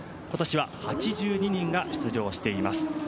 今年は８２人が出場しています。